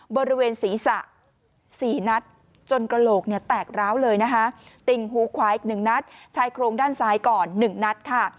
บริเวณศีรษะ๔นัดจนกระโหลกเนี่ยแตกร้าวเลยนะคะติ่งหูขวาอีก๑นัดชายโครงด้านซ้ายก่อน๑นัดค่ะ